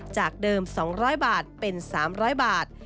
จากเดิม๒๐๐บาทเป็น๓๐๐บาท